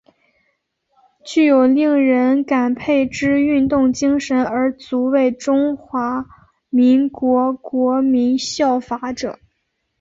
具有令人感佩之运动精神而足为中华民国国民效法者。